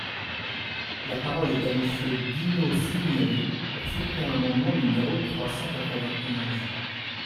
La parole est à Monsieur Dino Cinieri, pour soutenir l’amendement numéro trois cent quatre-vingt-onze.